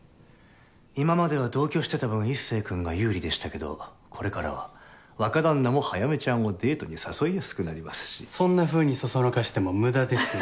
今までは同居してた分壱成君が有利でしたけどこれからは若旦那も早梅ちゃんをデートに誘いやすくなりますしそんなふうにそそのかしても無駄ですよ